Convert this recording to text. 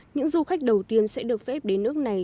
những du khách đầu tiên sẽ được phép đến nước này